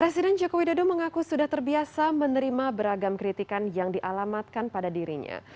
presiden jokowi dodo mengaku sudah terbiasa menerima beragam kritikan yang dialamatkan pada dirinya